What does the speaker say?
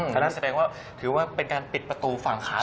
อืมนี่แสดงว่าถือว่าเป็นการปิดประตูฝั่งขาลงเลย